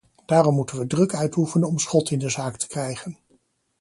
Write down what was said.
Daarom moeten we druk uitoefenen om schot in de zaak te krijgen.